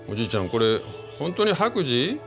これ本当に白磁？